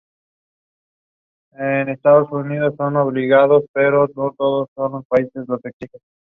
Era hijo del sastre, Monserrat-Benet Pujol y su madre se llamaba Rafaela.